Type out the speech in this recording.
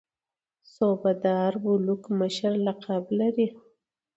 صوبه دار بلوک مشر لقب لري.